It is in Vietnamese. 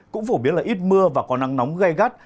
cũng phổ biến là ít mưa và có nắng nóng gai gắt